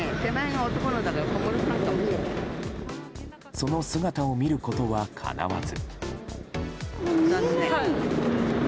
その姿を見ることはかなわず。